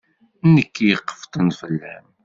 Nekk i iqeffṭen fell-am.